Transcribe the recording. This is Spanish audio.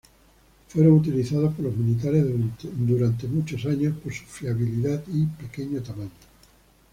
Fueron utilizados por los militares durante muchos años por su fiabilidad y pequeño tamaño.